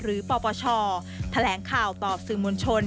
หรือปปชแถลงข่าวต่อสื่อมวลชน